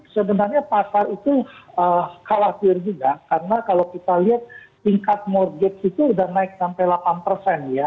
sebenarnya pasar itu khawatir juga karena kalau kita lihat tingkat moregat itu sudah naik sampai delapan persen ya